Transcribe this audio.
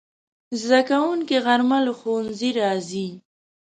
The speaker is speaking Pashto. زدهکوونکي غرمه له ښوونځي راځي